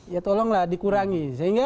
ya tolonglah dikurangi